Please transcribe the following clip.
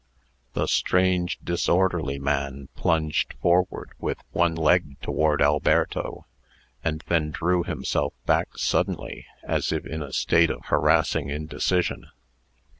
The strange, disorderly man plunged forward with one leg toward Alberto, and then drew himself back suddenly, as if in a state of harassing indecision.